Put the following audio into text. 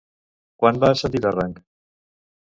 Quan va ascendir de rang?